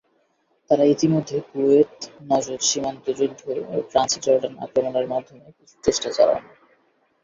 তারা ইতিমধ্যে কুয়েত-নজদ সীমান্ত যুদ্ধ ও ট্রান্সজর্ডান আক্রমণের মাধ্যমে কিছু চেষ্টা চালান।